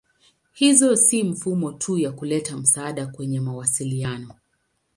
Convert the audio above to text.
Hizo si mifumo tu ya kuleta msaada kwenye mawasiliano.